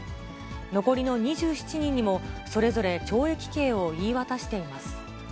残りの２７人にも、それぞれ懲役刑を言い渡しています。